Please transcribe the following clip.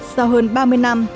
sau hơn ba mươi năm